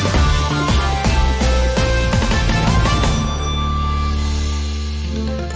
สบาย